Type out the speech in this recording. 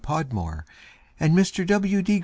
Podmore and Mr. W. D.